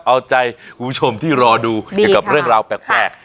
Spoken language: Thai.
เอาใจคุณผู้ชมที่รอดูเกี่ยวกับเรื่องราวแปลก